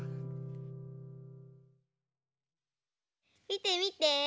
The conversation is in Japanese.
みてみて。